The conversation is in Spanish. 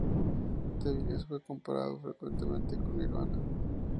The Vines fue comparado frecuentemente con Nirvana.